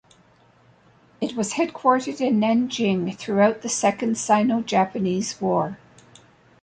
It was headquartered in Nanjing throughout the Second Sino-Japanese War.